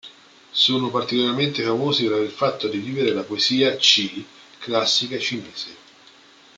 Sono particolarmente famosi per aver fatto rivivere la poesia "Ci" classica cinese.